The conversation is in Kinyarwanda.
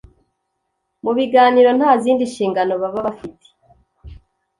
mu biganiro, nta zindi nshingano baba bafite.